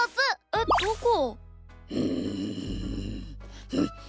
えっどこ？